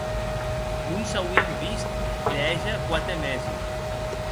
Non s’auien vist de hège quate mesi.